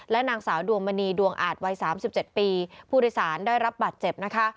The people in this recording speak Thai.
นางสาวดวงมณีดวงอาจวัย๓๗ปีผู้โดยสารได้รับบาดเจ็บนะคะ